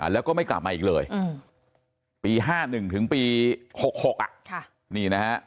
แล้วก็ไม่กลับมาอีกเลยปี๕๑ถึงปี๖๖นี่นะฮะ